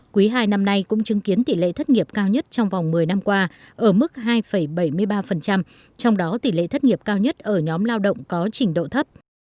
quý hai năm nay cũng chứng kiến tỷ lệ thất nghiệp cao nhất trong vòng một mươi năm qua ở mức hai bảy mươi ba trong đó tỷ lệ thất nghiệp cao nhất ở nhóm lao động có trình độ thấp